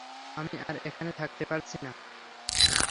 আমি আর এখানে থাকতে পারছি না।